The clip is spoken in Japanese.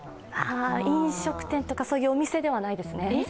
飲食店とか、そういうお店ではないですね。